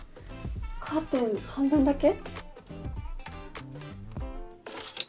カーテン半分だけ？